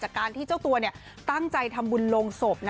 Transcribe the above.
จากฉันจะตั้งใจทำมุนโรงศพ